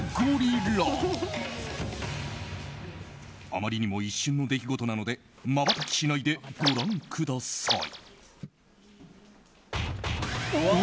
あまりにも一瞬の出来事なのでまばたきしないでご覧ください。